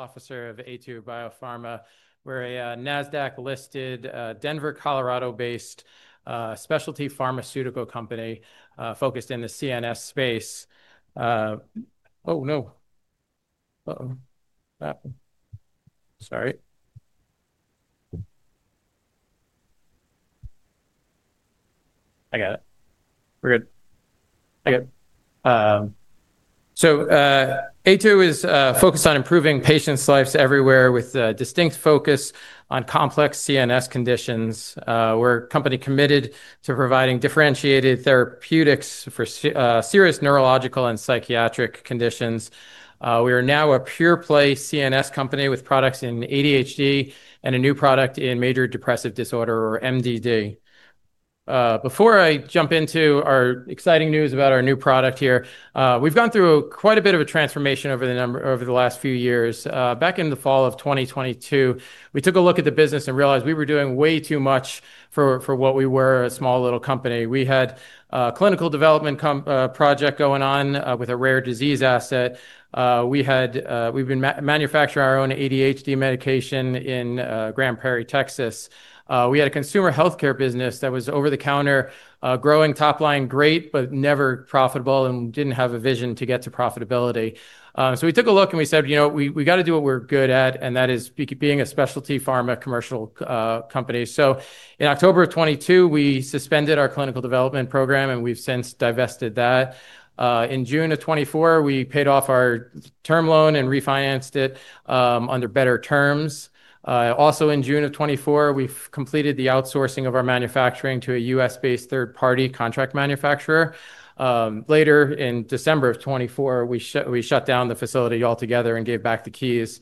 Officer of Aytu BioPharma. We're a NASDAQ-listed, Denver, Colorado-based specialty pharmaceutical company focused in the CNS space. Aytu is focused on improving patients' lives everywhere with a distinct focus on complex CNS conditions. We're a company committed to providing differentiated therapeutics for serious neurological and psychiatric conditions. We are now a pure-play CNS company with products in ADHD and a new product in major depressive disorder, or MDD. Before I jump into our exciting news about our new product here, we've gone through quite a bit of a transformation over the last few years. Back in the fall of 2022, we took a look at the business and realized we were doing way too much for what we were, a small little company. We had a clinical development project going on with a rare disease asset. We've been manufacturing our own ADHD medication in Grand Prairie, Texas. We had a consumer health care business that was over the counter, growing top line great, but never profitable and didn't have a vision to get to profitability. We took a look and we said, you know, we got to do what we're good at, and that is being a specialty pharma commercial company. In October of 2022, we suspended our clinical development program and we've since divested that. In June of 2024, we paid off our term loan and refinanced it under better terms. Also, in June of 2024, we've completed the outsourcing of our manufacturing to a U.S.-based third-party contract manufacturer. Later, in December of 2024, we shut down the facility altogether and gave back the keys.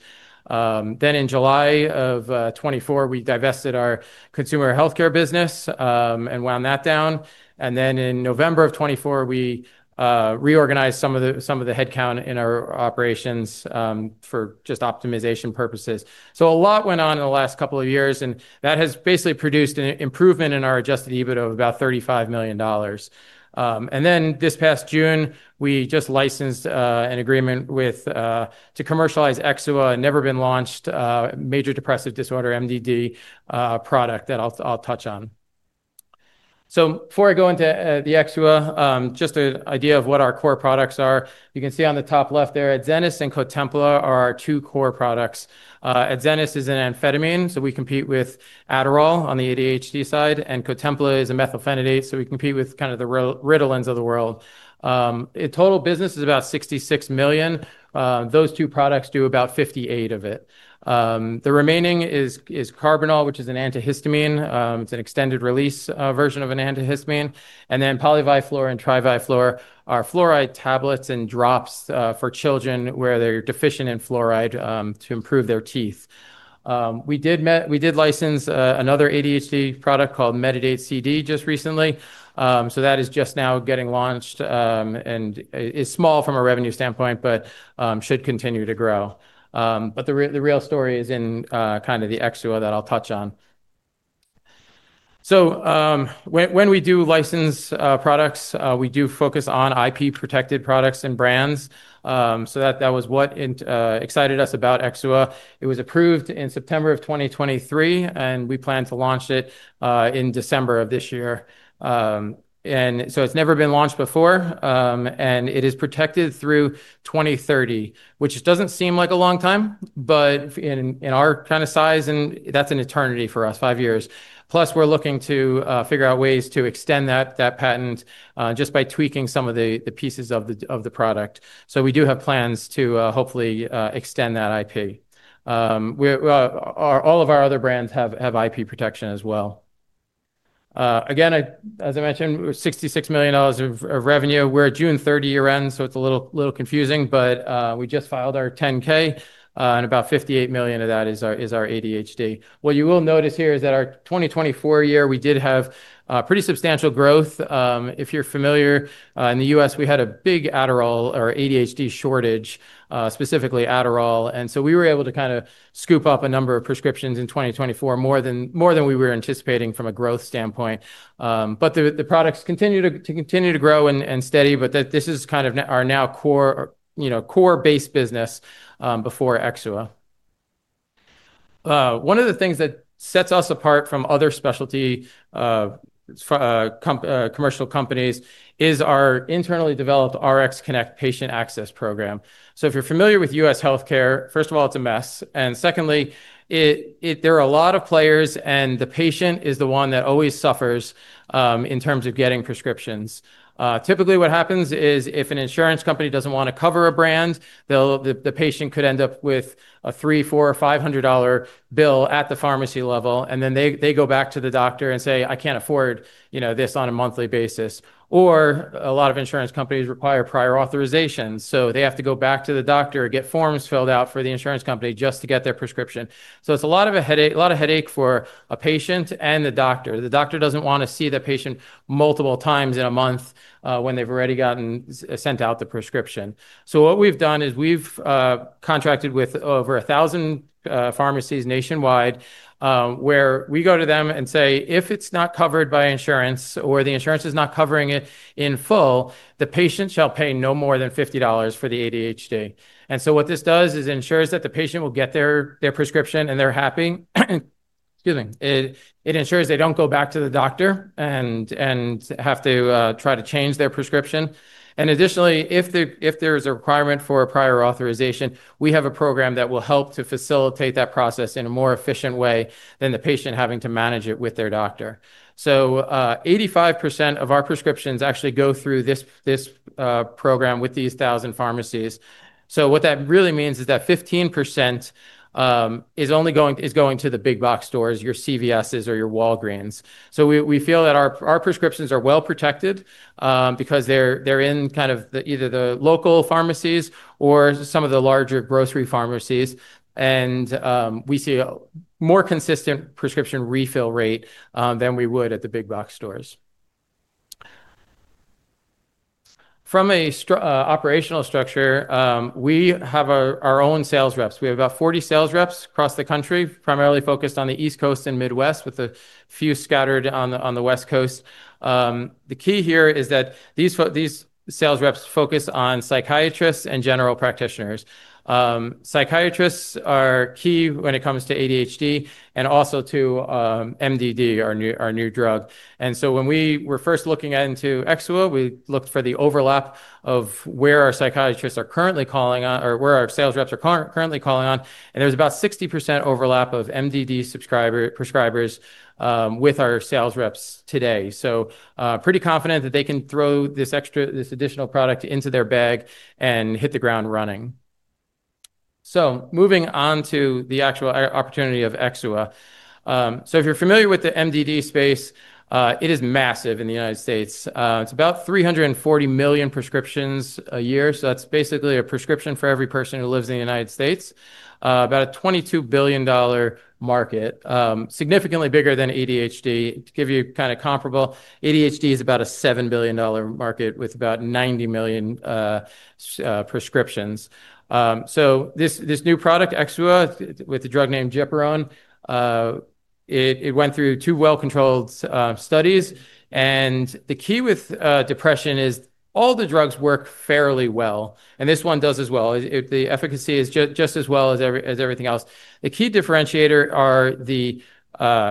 In July of 2024, we divested our consumer health care business and wound that down. In November of 2024, we reorganized some of the headcount in our operations for just optimization purposes. A lot went on in the last couple of years, and that has basically produced an improvement in our adjusted EBITDA of about $35 million. This past June, we just licensed an agreement to commercialize Exxua, never been launched, a major depressive disorder, MDD product that I'll touch on. Before I go into the Exxua, just an idea of what our core products are, you can see on the top left there, Adzenys and Cotempla are our two core products. Adzenys is an amphetamine, so we compete with Adderall on the ADHD side, and Cotempla is a methylphenidate, so we compete with kind of the Ritalins of the world. Total business is about $66 million. Those two products do about $58 million of it. The remaining is Karbinal, which is an antihistamine. It's an extended release version of an antihistamine. Poly-Vi-Flor and Tri-Vi-Flor are fluoride tablets and drops for children where they're deficient in fluoride to improve their teeth. We did license another ADHD product called Metadate CD just recently. That is just now getting launched and is small from a revenue standpoint, but should continue to grow. The real story is in kind of the Exxua that I'll touch on. When we do license products, we do focus on IP-protected products and brands. That was what excited us about Exxua. It was approved in September of 2023, and we plan to launch it in December of this year. It's never been launched before, and it is protected through 2030, which doesn't seem like a long time, but in our kind of size, that's an eternity for us, five years. Plus, we're looking to figure out ways to extend that patent just by tweaking some of the pieces of the product. We do have plans to hopefully extend that IP. All of our other brands have IP protection as well. Again, as I mentioned, $66 million of revenue. We're at June 30 year-end, so it's a little confusing, but we just filed our 10K, and about $58 million of that is our ADHD. What you will notice here is that our 2024 year, we did have pretty substantial growth. If you're familiar, in the U.S., we had a big Adderall or ADHD shortage, specifically Adderall. We were able to kind of scoop up a number of prescriptions in 2024, more than we were anticipating from a growth standpoint. The products continue to grow and steady, but this is kind of our now core-based business before Exxua. One of the things that sets us apart from other specialty commercial companies is our internally developed RxConnect patient access program. If you're familiar with U.S. healthcare, first of all, it's a mess and secondly, there are a lot of players, and the patient is the one that always suffers in terms of getting prescriptions. Typically, what happens is if an insurance company doesn't want to cover a brand, the patient could end up with a $300, $400, or $500 bill at the pharmacy level, and then they go back to the doctor and say, "I can't afford this on a monthly basis." A lot of insurance companies require prior authorizations, so they have to go back to the doctor, get forms filled out for the insurance company just to get their prescription. It's a lot of a headache for a patient and the doctor. The doctor doesn't want to see that patient multiple times in a month when they've already sent out the prescription. What we've done is we've contracted with over 1,000 pharmacies nationwide where we go to them and say, "If it's not covered by insurance or the insurance is not covering it in full, the patient shall pay no more than $50 for the ADHD." What this does is ensures that the patient will get their prescription and they're happy. Excuse me. It ensures they don't go back to the doctor and have to try to change their prescription. Additionally, if there is a requirement for a prior authorization, we have a program that will help to facilitate that process in a more efficient way than the patient having to manage it with their doctor. 85% of our prescriptions actually go through this program with these 1,000 pharmacies. What that really means is that 15% is going to the big box stores, your CVSs or your Walgreens. We feel that our prescriptions are well protected because they're in kind of either the local pharmacies or some of the larger grocery pharmacies, and we see a more consistent prescription refill rate than we would at the big box stores. From an operational structure, we have our own sales reps. We have about 40 sales reps across the country, primarily focused on the East Coast and Midwest, with a few scattered on the West Coast. The key here is that these sales reps focus on Psychiatrists and General Practitioners. Psychiatrists are key when it comes to ADHD and also to MDD, our new drug. When we were first looking into Exxua, we looked for the overlap of where our Psychiatrists are currently calling on or where our sales reps are currently calling on, and there's about 60% overlap of MDD prescribers with our sales reps today. Pretty confident that they can throw this additional product into their bag and hit the ground running. Moving on to the actual opportunity of Exxua. If you're familiar with the MDD space, it is massive in the United States. It's about 340 million prescriptions a year. That's basically a prescription for every person who lives in the United States, about a $22 billion market, significantly bigger than ADHD. To give you kind of comparable, ADHD is about a $7 billion market with about 90 million prescriptions. This new product, Exxua, with the drug named Gepirone, went through two well-controlled studies, and the key with depression is all the drugs work fairly well, and this one does as well. The efficacy is just as well as everything else. The key differentiator is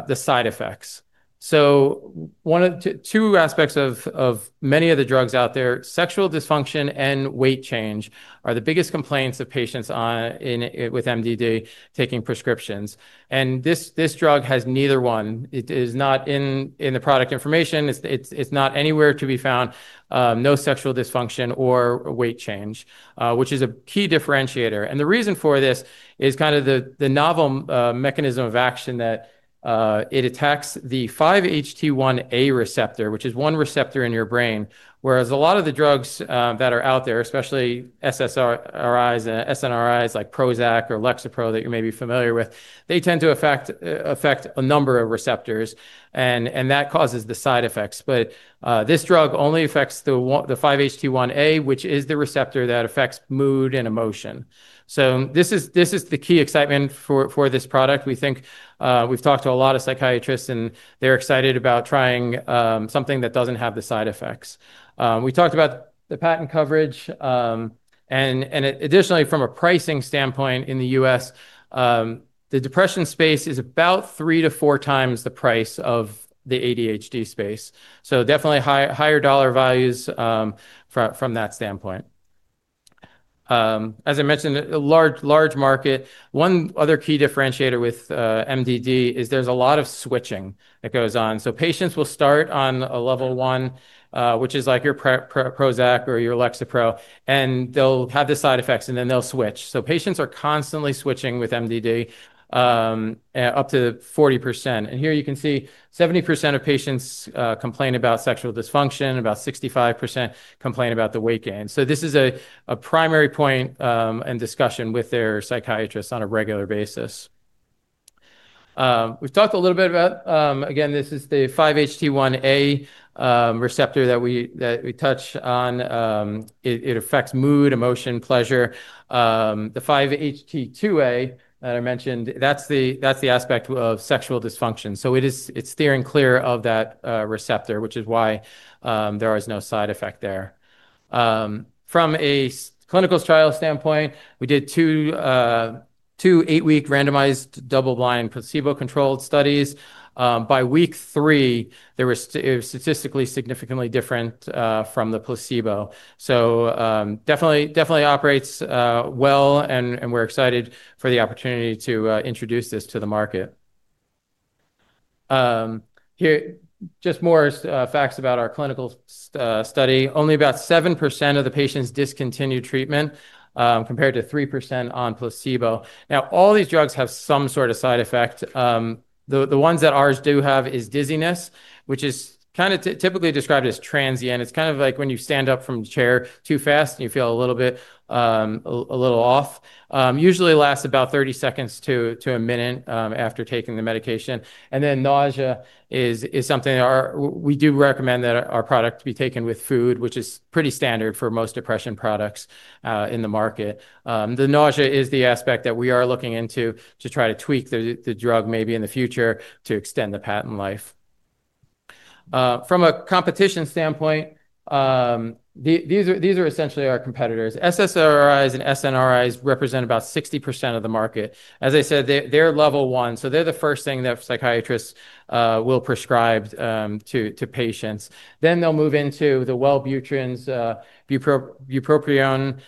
the side effects. Two aspects of many of the drugs out there, sexual dysfunction and weight change, are the biggest complaints of patients with MDD taking prescriptions. This drug has neither one. It is not in the product information. It's not anywhere to be found. No sexual dysfunction or weight change, which is a key differentiator. The reason for this is kind of the novel mechanism of action that it attacks the 5-HT1A receptor, which is one receptor in your brain, whereas a lot of the drugs that are out there, especially SSRIs and SNRIs like Prozac or Lexapro that you may be familiar with, tend to affect a number of receptors, and that causes the side effects. This drug only affects the 5-HT1A, which is the receptor that affects mood and emotion. This is the key excitement for this product. We think we've talked to a lot of psychiatrists, and they're excited about trying something that doesn't have the side effects. We talked about the patent coverage, and additionally, from a pricing standpoint in the U.S., the depression space is about 3x-4x the price of the ADHD space. Definitely higher dollar values from that standpoint. As I mentioned, a large market. One other key differentiator with MDD is there's a lot of switching that goes on. Patients will start on a level one, which is like your Prozac or your Lexapro, and they'll have the side effects, and then they'll switch. Patients are constantly switching with MDD, up to 40%. Here you can see 70% of patients complain about sexual dysfunction, about 65% complain about the weight gain. This is a primary point and discussion with their psychiatrists on a regular basis. We've talked a little bit about, again, this is the 5-HT1A receptor that we touched on. It affects mood, emotion, pleasure. The 5-HT2A that I mentioned, that's the aspect of sexual dysfunction. It's steering clear of that receptor, which is why there is no side effect there. From a clinical trial standpoint, we did two eight-week randomized double-blind placebo-controlled studies. By week three, it was statistically significantly different from the placebo. It definitely operates well, and we're excited for the opportunity to introduce this to the market. Here are just more facts about our clinical study. Only about 7% of the patients discontinued treatment compared to 3% on placebo. All these drugs have some sort of side effect. The ones that ours do have are dizziness, which is typically described as transient. It's kind of like when you stand up from the chair too fast and you feel a little off. Usually, it lasts about 30 seconds to a minute after taking the medication. Nausea is something that we do recommend that our product be taken with food, which is pretty standard for most depression products in the market. The nausea is the aspect that we are looking into to try to tweak the drug maybe in the future to extend the patent life. From a competition standpoint, these are essentially our competitors. SSRIs and SNRIs represent about 60% of the market. As I said, they're level one. They're the first thing that psychiatrists will prescribe to patients. They'll move into the Wellbutrins, bupropion,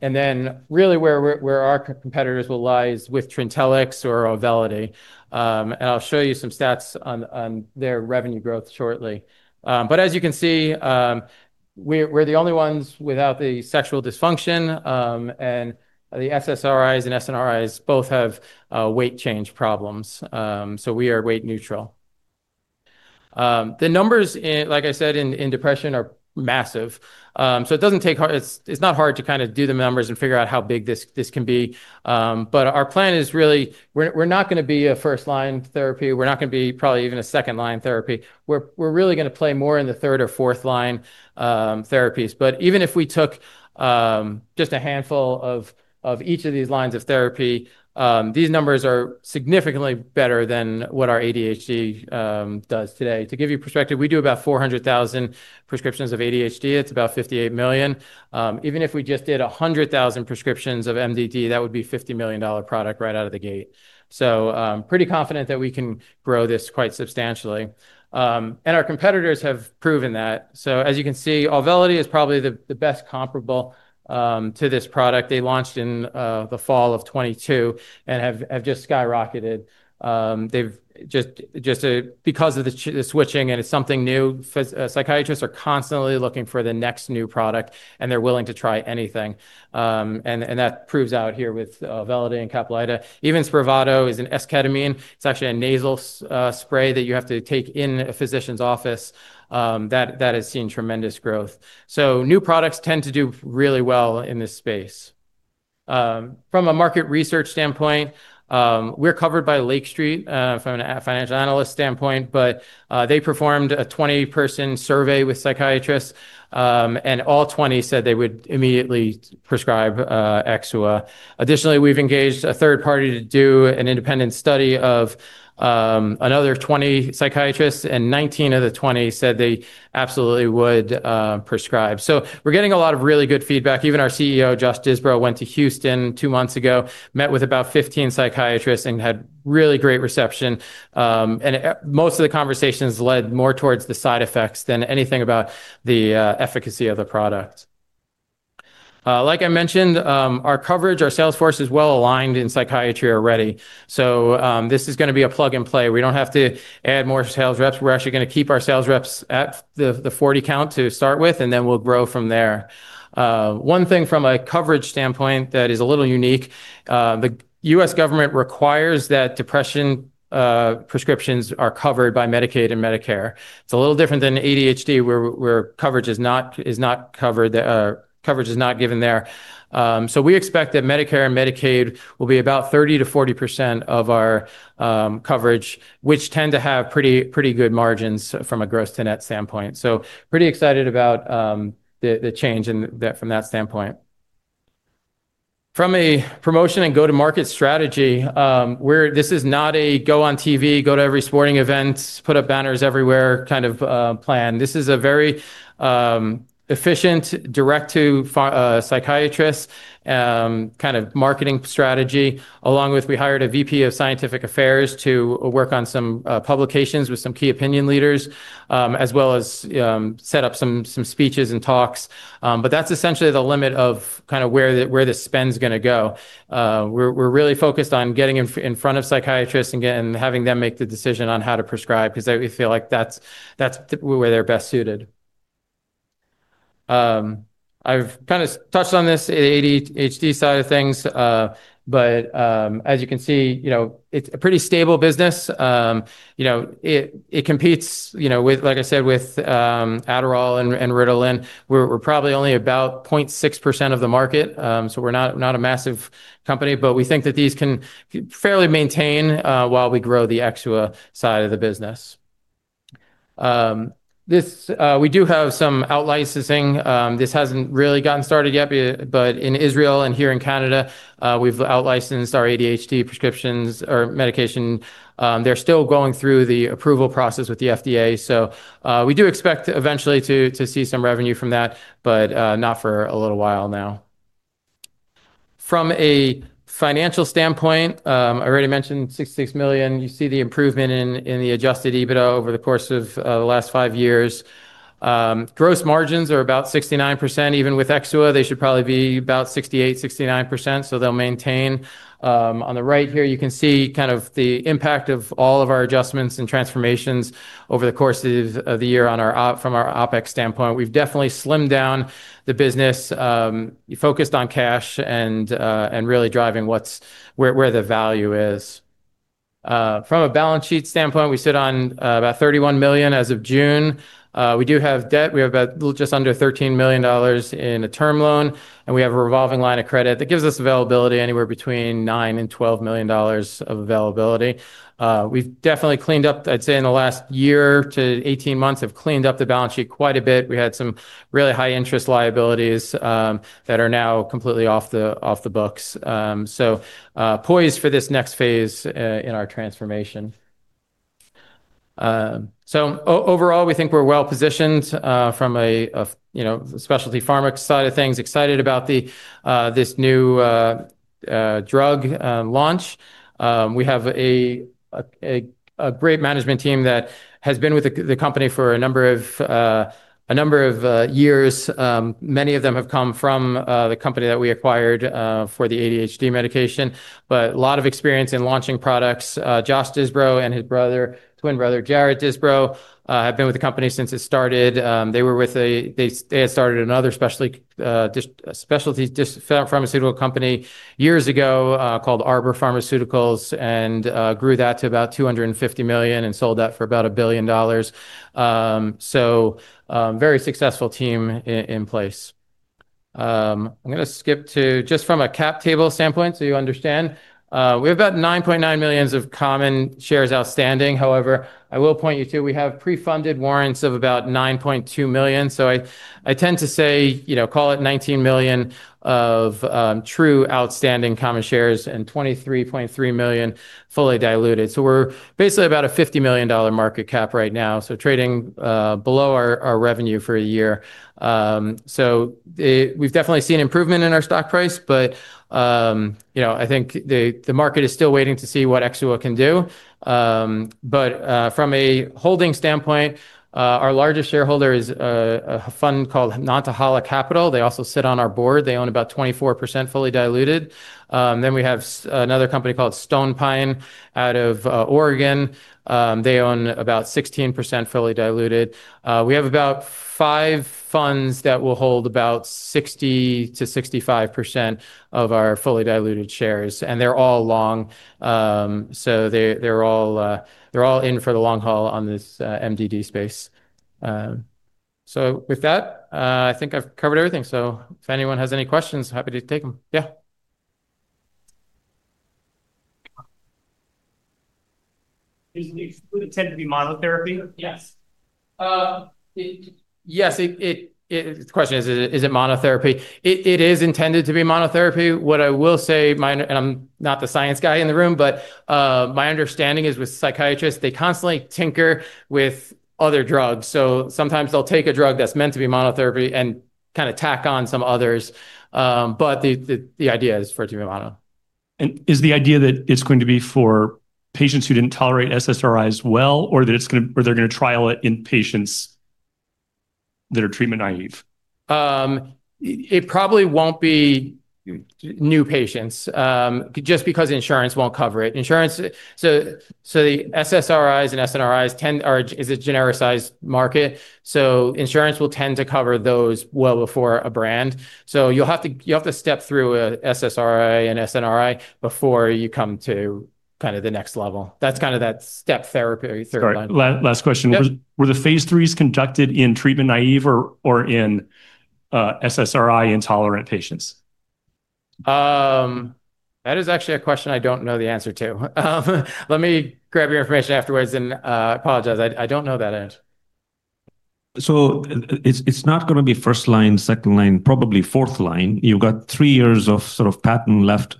and really where our competitors will lie is with Trintellix or Auvelity. I'll show you some stats on their revenue growth shortly. As you can see, we're the only ones without the sexual dysfunction, and the SSRIs and SNRIs both have weight change problems. We are weight neutral. The numbers, like I said, in depression are massive. It's not hard to do the numbers and figure out how big this can be. Our plan is really, we're not going to be a first-line therapy. We're not going to be probably even a second-line therapy. We're really going to play more in the third or fourth-line therapies. Even if we took just a handful of each of these lines of therapy, these numbers are significantly better than what our ADHD does today. To give you perspective, we do about 400,000 prescriptions of ADHD. It's about $58 million. Even if we just did 100,000 prescriptions of MDD, that would be a $50 million product right out of the gate. We're pretty confident that we can grow this quite substantially. Our competitors have proven that. As you can see, Auvelity is probably the best comparable to this product. They launched in the fall of 2022 and have just skyrocketed. Just because of the switching and it's something new, psychiatrists are constantly looking for the next new product, and they're willing to try anything. That proves out here with Auvelity and Caplyta. Even Spravato is an esketamine. It's actually a nasal spray that you have to take in a physician's office. That has seen tremendous growth. New products tend to do really well in this space. From a market research standpoint, we're covered by Lake Street from a financial analyst standpoint, but they performed a 20-person survey with psychiatrists, and all 20 said they would immediately prescribe Exxua. Additionally, we've engaged a third party to do an independent study of another 20 psychiatrists, and 19 of the 20 said they absolutely would prescribe. We're getting a lot of really good feedback. Even our CEO, Josh Disbrow, went to Houston two months ago, met with about 15 psychiatrists, and had really great reception. Most of the conversations led more towards the side effects than anything about the efficacy of the product. Like I mentioned, our coverage, our sales force is well aligned in psychiatry already. This is going to be a plug and play. We don't have to add more sales reps. We're actually going to keep our sales reps at the 40 count to start with, and then we'll grow from there. One thing from a coverage standpoint that is a little unique, the U.S. government requires that depression prescriptions are covered by Medicaid and Medicare. It's a little different than ADHD where coverage is not covered, coverage is not given there. We expect that Medicare and Medicaid will be about 30%-40% of our coverage, which tend to have pretty good margins from a gross to net standpoint. Pretty excited about the change from that standpoint. From a promotion and go-to-market strategy, this is not a go on TV, go to every sporting event, put up banners everywhere kind of plan. This is a very efficient, direct to psychiatrist kind of marketing strategy, along with we hired a VP of Scientific Affairs to work on some publications with some key opinion leaders, as well as set up some speeches and talks. That's essentially the limit of kind of where the spend is going to go. We're really focused on getting in front of psychiatrists and having them make the decision on how to prescribe because we feel like that's where they're best suited. I've kind of touched on this ADHD side of things, but as you can see, it's a pretty stable business. It competes with, like I said, with Adderall and Ritalin. We're probably only about 0.6% of the market, so we're not a massive company, but we think that these can fairly maintain while we grow the Exxua side of the business. We do have some out-licensing. This hasn't really gotten started yet, but in Israel and here in Canada, we've out-licensed our ADHD prescriptions or medication. They're still going through the approval process with the FDA. We do expect eventually to see some revenue from that, but not for a little while now. From a financial standpoint, I already mentioned $66 million. You see the improvement in the adjusted EBITDA over the course of the last five years. Gross margins are about 69%. Even with Exxua, they should probably be about 68%, 69%. They'll maintain. On the right here, you can see kind of the impact of all of our adjustments and transformations over the course of the year from our OpEx standpoint. We've definitely slimmed down the business, focused on cash, and really driving where the value is. From a balance sheet standpoint, we sit on about $31 million as of June. We do have debt. We have just under $13 million in a term loan, and we have a revolving line of credit that gives us availability anywhere between $9 million and $12 million of availability. We've definitely cleaned up, I'd say in the last year to 18 months, have cleaned up the balance sheet quite a bit. We had some really high interest liabilities that are now completely off the books. Poised for this next phase in our transformation. Overall, we think we're well positioned from a specialty pharma side of things, excited about this new drug launch. We have a great management team that has been with the company for a number of years. Many of them have come from the company that we acquired for the ADHD medication, but a lot of experience in launching products. Josh Disbrow and his brother, twin brother Jared Disbrow, have been with the company since it started. They had started another specialty pharmaceutical company years ago called Arbor Pharmaceuticals and grew that to about $250 million and sold that for about $1 billion. Very successful team in place. I'm going to skip to just from a cap table standpoint so you understand. We have about 9.9 million of common shares outstanding. However, I will point you to we have pre-funded warrants of about 9.2 million. I tend to say, you know, call it 19 million of true outstanding common shares and 23.3 million fully diluted. We're basically about a $50 million market cap right now, trading below our revenue for a year. We've definitely seen improvement in our stock price, but you know, I think the market is still waiting to see what Exxua can do. From a holding standpoint, our largest shareholder is a fund called Nantahala Capital. They also sit on our board. They own about 24% fully diluted. We have another company called StonePine out of Oregon. They own about 16% fully diluted. We have about five funds that hold about 60%-65% of our fully diluted shares, and they're all long. They're all in for the long haul on this MDD space. I think I've covered everything. If anyone has any questions, happy to take them. Yeah. Is it intended to be monotherapy? Yes. The question is, is it monotherapy? It is intended to be monotherapy. What I will say, and I'm not the science guy in the room, my understanding is with psychiatrists, they constantly tinker with other drugs. Sometimes they'll take a drug that's meant to be monotherapy and kind of tack on some others. The idea is for it to be mono. Is the idea that it's going to be for patients who didn't tolerate SSRIs well, or are they going to trial it in patients that are treatment naive? It probably won't be new patients just because insurance won't cover it. The SSRIs and SNRIs tend to be a genericized market. Insurance will tend to cover those well before a brand. You have to step through an SSRI and SNRI before you come to kind of the next level. That's kind of that step therapy. Great. Last question. Were the phase threes conducted in treatment naive or in SSRI intolerant patients? That is actually a question I don't know the answer to. Let me grab your information afterwards. I apologize. I don't know that answer. It is not going to be first line, second line, probably fourth line. You have got three years of sort of patent left.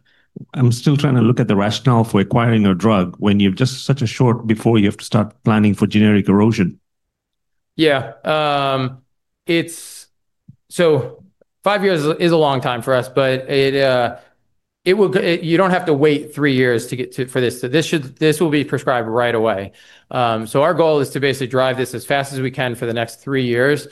I am still trying to look at the rationale for acquiring a drug when you have just such a short before you have to start planning for generic erosion. Yeah. Five years is a long time for us, but you don't have to wait three years for this. This will be prescribed right away. Our goal is to basically drive this as fast as we can for the next three years,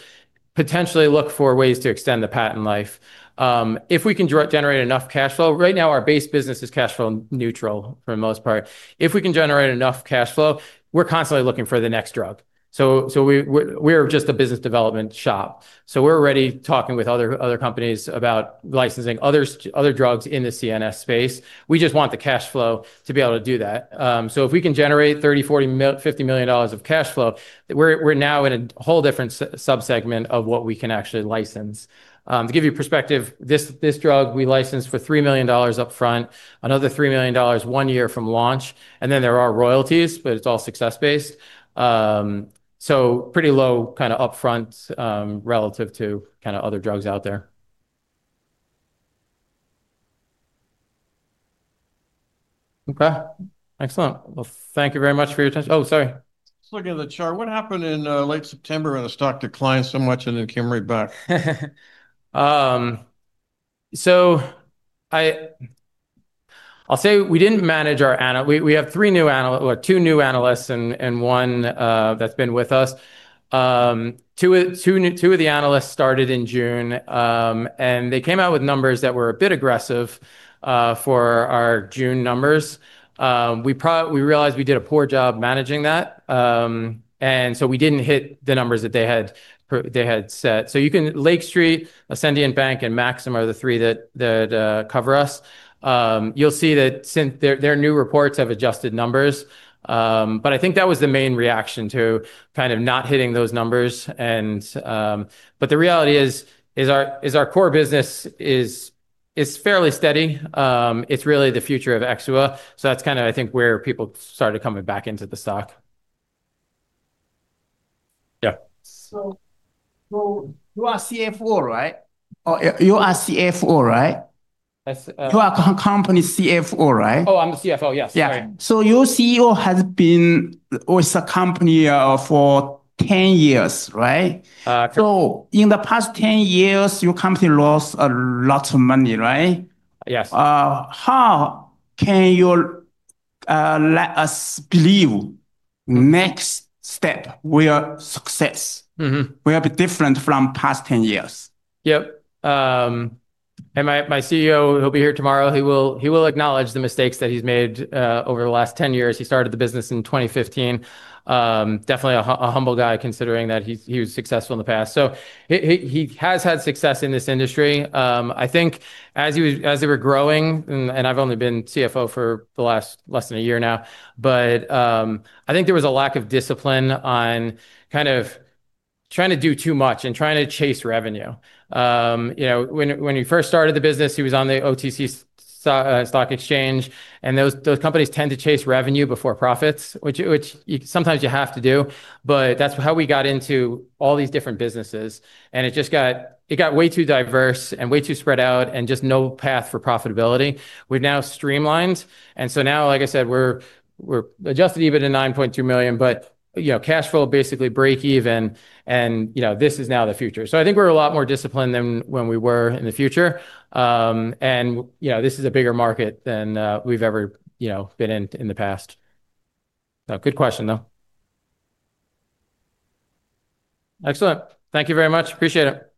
potentially look for ways to extend the patent life. If we can generate enough cash flow, right now our base business is cash flow neutral for the most part. If we can generate enough cash flow, we're constantly looking for the next drug. We're just a business development shop. We're already talking with other companies about licensing other drugs in the CNS space. We just want the cash flow to be able to do that. If we can generate $30 million, $40 million, $50 million of cash flow, we're now in a whole different subsegment of what we can actually license. To give you perspective, this drug we license for $3 million upfront, another $3 million one year from launch, and then there are royalties, but it's all success-based. Pretty low kind of upfront relative to other drugs out there. Okay. Excellent. Thank you very much for your attention. Oh, sorry. Just looking at the chart, what happened in late September when the stock declined so much and then came right back? I'll say we didn't manage our analysts. We have three new analysts, two new analysts, and one that's been with us. Two of the analysts started in June, and they came out with numbers that were a bit aggressive for our June numbers. We realized we did a poor job managing that, and we didn't hit the numbers that they had set. You can see Lake Street, Ascendian Bank, and Maxim are the three that cover us. You'll see that their new reports have adjusted numbers. I think that was the main reaction to not hitting those numbers. The reality is our core business is fairly steady. It's really the future of Exxua. I think that's where people started coming back into the stock. Yeah. You are CFO, right? You are CFO, right? You are a company CFO, right? Oh, I'm the CFO. Yes. Yeah. Your CEO has been with the company for 10 years, right? In the past 10 years, your company lost a lot of money, right? Yes. How can you let us believe the next step will be success, will be different from the past 10 years? Yep. My CEO, he'll be here tomorrow. He will acknowledge the mistakes that he's made over the last 10 years. He started the business in 2015. Definitely a humble guy considering that he was successful in the past. He has had success in this industry. I think as they were growing, and I've only been CFO for less than a year now, there was a lack of discipline on kind of trying to do too much and trying to chase revenue. When he first started the business, he was on the OTC Stock Exchange, and those companies tend to chase revenue before profits, which sometimes you have to do. That's how we got into all these different businesses. It just got way too diverse and way too spread out and just no path for profitability. We've now streamlined. Like I said, we're adjusted EBITDA to $9.2 million, but cash flow basically break even, and this is now the future. I think we're a lot more disciplined than we were in the past. This is a bigger market than we've ever been in in the past. Good question, though. Excellent. Thank you very much. Appreciate it.